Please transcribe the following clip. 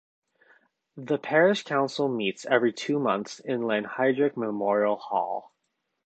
The Parish Council meets every two months in Lanhydrock Memorial Hall.